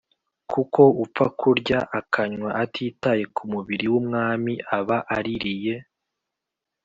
kuko upfa kurya, akanywa atitaye ku mubiri w'Umwami, aba aririye,